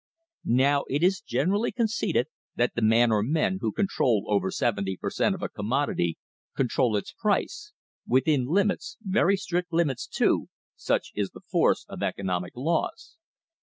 Now it is generally conceded that the man or men who control over seventy per cent, of a commodity control its price within limits, very strict limits, too, such is the force of economic laws.